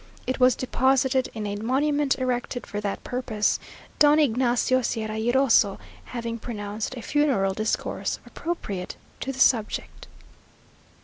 It was deposited in a monument erected for that purpose, Don Ignacio Sierra y Roso having pronounced a funeral discourse appropriate to the subject."